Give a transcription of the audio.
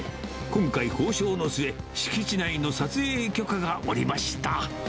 今回、交渉の末、敷地内の撮影許可が下りました。